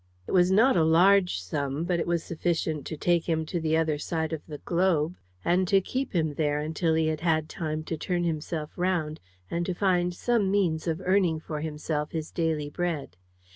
It was not a large sum, but it was sufficient to take him to the other side of the globe, and to keep him there until he had had time to turn himself round, and to find some means of earning for himself his daily bread.